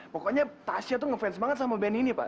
pokoknya tasha tuh ngefans banget sama ben ini pak